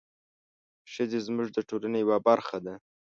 ښځې زموږ د ټولنې یوه برخه ده.